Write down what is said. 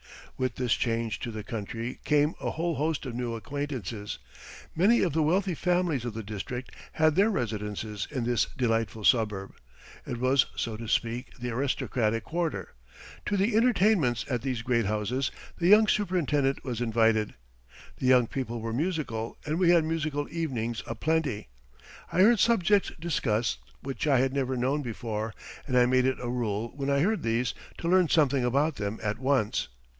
With this change to the country came a whole host of new acquaintances. Many of the wealthy families of the district had their residences in this delightful suburb. It was, so to speak, the aristocratic quarter. To the entertainments at these great houses the young superintendent was invited. The young people were musical and we had musical evenings a plenty. I heard subjects discussed which I had never known before, and I made it a rule when I heard these to learn something about them at once.